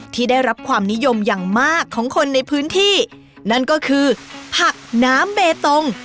ที่ได้รับความนิยมอย่างมากของคนในพื้นที่นั่นก็คือผักน้ำเบตง